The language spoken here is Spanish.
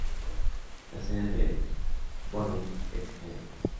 La sede del borough es Healy.